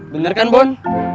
bener kan bon